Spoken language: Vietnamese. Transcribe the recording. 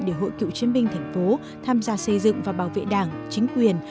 để hội cựu chiến binh tp tham gia xây dựng và bảo vệ đảng chính quyền